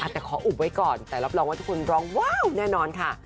แต่ขออุบไว้ก่อนแต่รับรองว่าทุกคนร้องว้าวแน่นอนค่ะ